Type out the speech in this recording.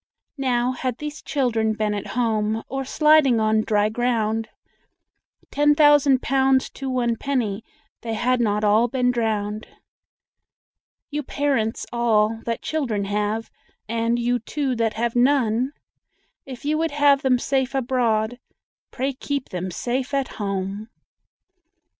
Now, had these children been at home, Or sliding on dry ground, Ten thousand pounds to one penny They had not all been drowned. You parents all that children have, And you too that have none, If you would have them safe abroad Pray keep them safe at home.